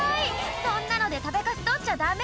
そんなので食べカス取っちゃダメ！